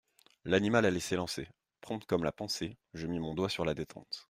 L'animal allait s'élancer ! Prompt comme la pensée, je mis mon doigt sur la détente.